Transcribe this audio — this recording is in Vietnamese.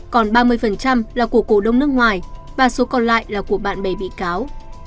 còn ba mươi là của cổ đông nước ngoài và số còn lại là của bạn bè bị cáo